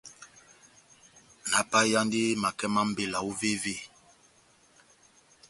Náhápayeyandi makɛ má mbela óvévé ?